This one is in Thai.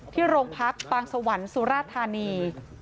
ที่โรงพักปางสวรรค์สุราธานี